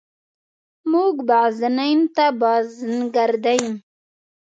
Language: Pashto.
موږ بغزنین ته بازنګردیم.